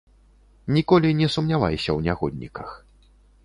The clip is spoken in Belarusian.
Ніколі не сумнявайся ў нягодніках.